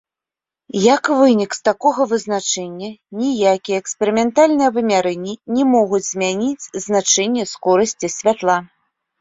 Як вынік з такога вызначэння, ніякія эксперыментальныя вымярэнні не могуць змяніць значэнне скорасці святла.